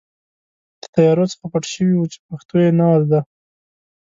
د طیارو څخه پټ شوي وو چې پښتو یې نه وه زده.